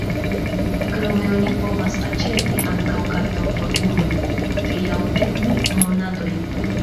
Krome oni povas aĉeti ankaŭ karton por unu, tri aŭ dekdu monatoj.